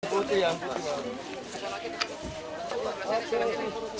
putri yang putri baru